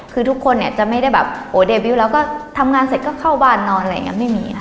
คือทุกคนเนี่ยจะไม่ได้แบบโอ้เดบิวต์แล้วก็ทำงานเสร็จก็เข้าบ้านนอนอะไรอย่างนี้ไม่มีค่ะ